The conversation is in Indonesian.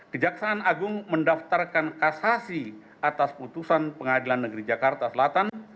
kejaksaan agung mendaftarkan kasasi atas putusan pengadilan negeri jakarta selatan